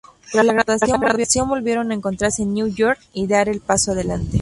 Tras la graduación, volvieron a encontrarse en Nueva York y dar el paso adelante.